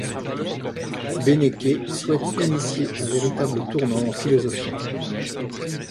Beneke souhaite initier un véritable tournant en philosophie.